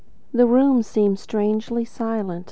The room seemed strangely silent.